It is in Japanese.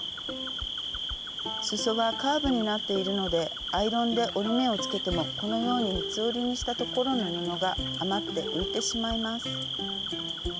すそはカーブになっているのでアイロンで折り目をつけてもこのように三つ折りにしたところの布が余って浮いてしまいます。